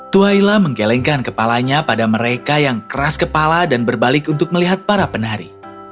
tuhaila menggelengkan kepalanya pada mereka yang keras kepala dan berbalik untuk melihat para penari